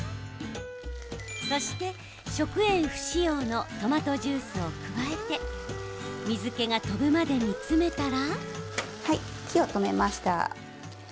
そして、食塩不使用のトマトジュースを加えて水けが飛ぶまで煮詰めたら。